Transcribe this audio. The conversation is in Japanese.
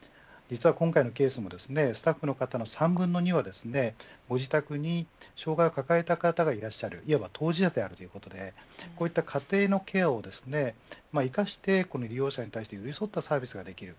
今回のケースもスタッフの方の３分の２はご自宅に障害を抱えた方がいらっしゃるいわば当事者であるということでこういった家庭のケアを生かして利用者に寄り添ったサービスができる。